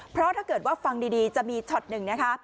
เพราะถ้าเกิดว่าฟังดีจะมีช็อตหนึ่งนะคะ